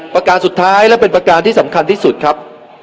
ประการสุดท้ายและเป็นประการที่สำคัญที่สุดครับ